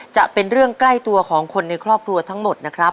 จะเป็นเรื่องใกล้ตัวของคนในครอบครัวทั้งหมดนะครับ